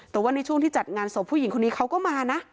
แต่ว่าในช่วงที่จัดงานศพผู้หญิงคนนี้เขาก็มานะ